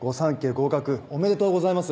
合格おめでとうございます。